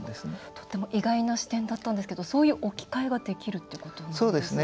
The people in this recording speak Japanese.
とっても意外な視点だったんですけどそういう置き換えができるっていうことなんですね。